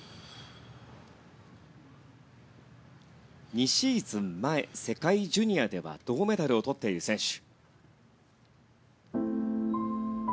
２シーズン前、世界ジュニアでは銅メダルを取っている選手。